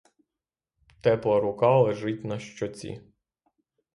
Тепла рука лежить на щоці.